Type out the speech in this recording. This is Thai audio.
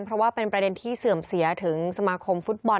เพราะว่าเป็นประเด็นที่เสื่อมเสียถึงสมาคมฟุตบอล